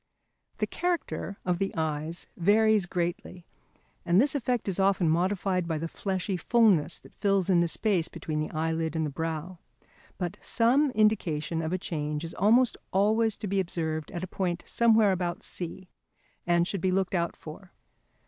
The character of eyes varies greatly, and this effect is often modified by the fleshy fulness that fills in the space between the eyelid and the brow, but some indication of a change is almost always to be observed at a point somewhere about C, and should be looked out for.